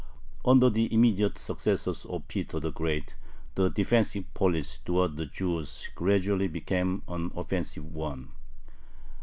Under the immediate successors of Peter the Great the "defensive" policy towards the Jews gradually became an "offensive" one.